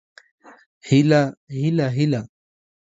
هيله هيله هيله